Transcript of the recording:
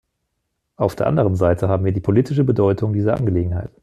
Auf der anderen Seite haben wir die politische Bedeutung dieser Angelegenheit.